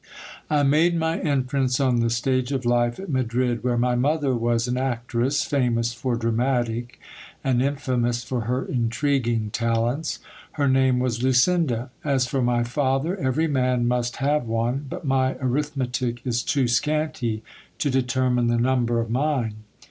I MADE my entrance on the stage of life at Madrid, where my mother was an actress, famous for dramatic, and infamous for her intriguing talents. Her name was Lucinda. As for my father, every man must have one ; but my arith metic is too scanty to determine the number of mine.